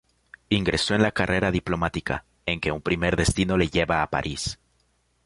Ingresó en la carrera diplomática, en que un primer destino le lleva a París.